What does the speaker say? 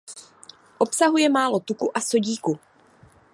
Obsahuje málo tuku a sodíku.